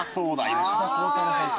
吉田鋼太郎さんか。